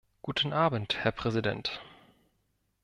Guten Abend, Herr Präsident.